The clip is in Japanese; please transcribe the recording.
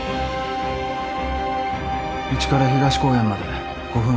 うちから東公園まで５分ほどです。